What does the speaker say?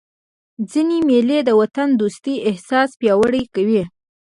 ځيني مېلې د وطن دوستۍ احساس پیاوړی کوي.